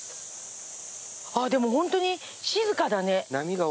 でもホントに静かだね。